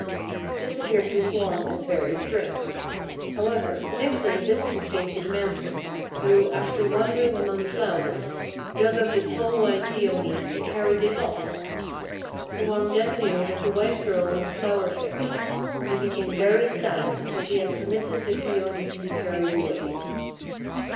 This appeared to Hwang as very strange. However, the next day a visitor came to the mountain, who, after wandering among the flowers, dug up the tall white Peony, and carried it off. Hwang then knew that the white girl was a Flower Fairy; and he became very sad because he had permitted the Peony to be carried away.